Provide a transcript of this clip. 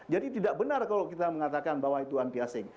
jadi tidak benar kalau kita mengatakan bahwa itu anti asing